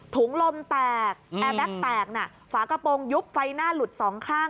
ถุงลมแตกแอร์แบ็คแตกน่ะฝากระโปรงยุบไฟหน้าหลุดสองข้าง